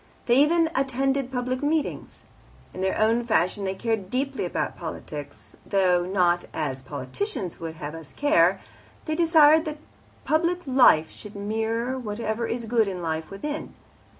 They even attended public meetings. In their own fashion they cared deeply about politics, though not as politicians would have us care; they desired that public life should mirror whatever is good in the life within.